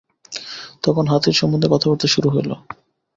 তখন হাতীর সম্বন্ধে কথাবার্তা শুরু হইল।